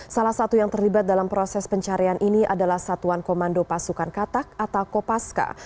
salah satu yang terlibat dalam proses pencarian ini adalah satuan komando pasukan katak atau kopaska